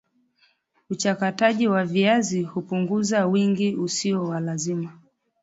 uchakataji wa viazi hupunguza uwingi usio wa lazima